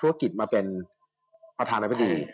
ระเบิดมาเป็นประธานาภิกษ์